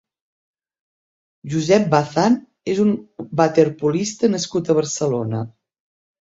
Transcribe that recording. Josep Bazán és un waterpolista nascut a Barcelona.